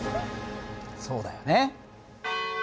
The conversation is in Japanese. そうだよね。